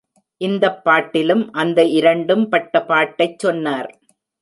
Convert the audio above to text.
இந்தப் பாட்டிலும் அந்த இரண்டும் பட்ட பாட்டைச் சொன்னார்.